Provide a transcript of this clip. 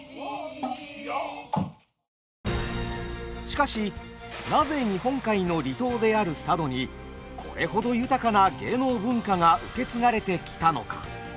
しかしなぜ日本海の離島である佐渡にこれほど豊かな芸能文化が受け継がれてきたのか。